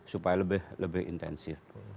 supaya lebih intensif